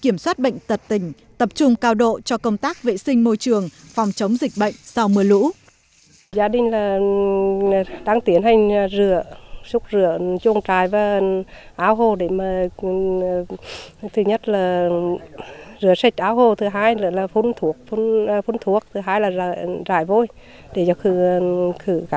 kiểm soát bệnh tật tình tập trung cao độ cho công tác vệ sinh môi trường phòng chống dịch bệnh sau mưa lũ